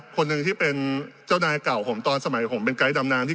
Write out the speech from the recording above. คนหนึ่งที่เป็นเจ้านายเก่าผมตอนสมัยผมเป็นไกด์ดำนานที่